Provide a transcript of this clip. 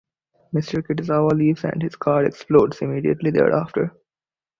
Mister Kitazawa leaves and his car explodes immediately thereafter.